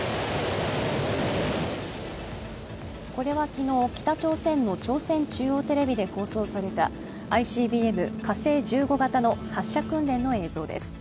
これは昨日、北朝鮮の朝鮮中央テレビで放送されたＩＣＢＭ・火星１５型の発射訓練の映像です。